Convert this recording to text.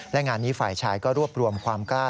และงานนี้ฝ่ายชายก็รวบรวมความกล้า